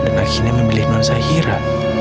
dan akhirnya memilih non zahira